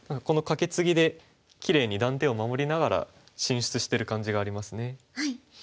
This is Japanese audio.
このカケツギできれいに断点を守りながら進出してる感じがありますね。